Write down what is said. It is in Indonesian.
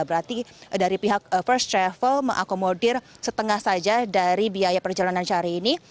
berarti dari pihak first travel mengakomodir setengah saja dari biaya perjalanan syahri ini